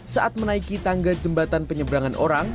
saat menaiki tangga jembatan penyeberangan orang